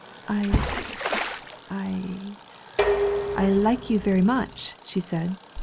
'I I I like you very much,' she said.